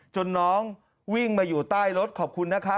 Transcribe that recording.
น้องวิ่งมาอยู่ใต้รถขอบคุณนะคะ